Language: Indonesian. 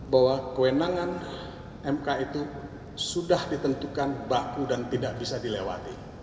bahwa kewenangan mk itu sudah ditentukan baku dan tidak bisa dilewati